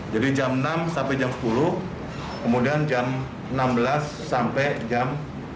jadi jam enam sampai jam sepuluh kemudian jam enam belas sampai jam dua puluh